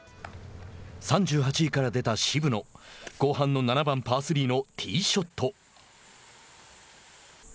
３８位から出た渋野後半の７番パー３のティーショット。